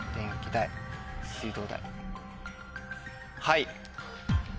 はい。